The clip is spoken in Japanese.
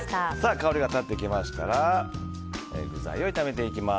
香りが立ってきましたら具材を炒めていきます。